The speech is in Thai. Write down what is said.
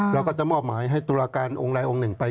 เราก็จะมอบหมายให้ตุลาการองค์ใดองค์หนึ่งไป